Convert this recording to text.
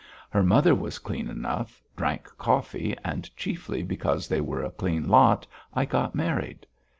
Her mother was clean enough, drank coffee and, chiefly because they were a clean lot, I got married.